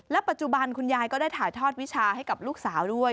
ปัจจุบันคุณยายก็ได้ถ่ายทอดวิชาให้กับลูกสาวด้วย